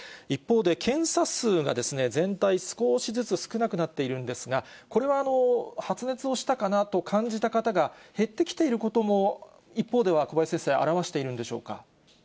一方で、検査数が全体、少しずつ少なくなっているんですが、これは発熱をしたかなと感じた方が、減ってきていることも、一方では小林先生、表わしているんでしょうか。